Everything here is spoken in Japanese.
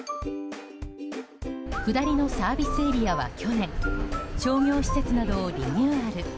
下りのサービスエリアは去年商業施設などをリニューアル。